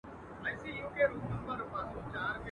نه په ژوند کي یې څه پاته نه یې خوند وو.